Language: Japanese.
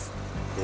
え